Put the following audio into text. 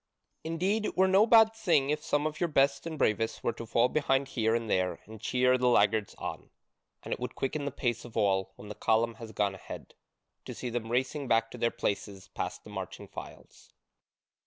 Indeed, it were no bad thing if some of your best and bravest were to fall behind here and there and cheer the laggards on: and it would quicken the pace of all, when the column has gone ahead, to see them racing back to their places past the marching files."